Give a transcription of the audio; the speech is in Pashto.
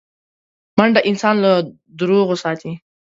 منډه انسان له دروغو ساتي